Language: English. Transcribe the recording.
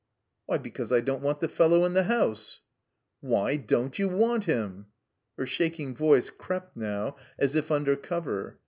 "Why, because I don't want the fellow in the house." "Why — don't — ^you want him?" Her shaking voice crept now as if under cover.